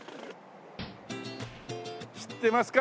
知ってますか？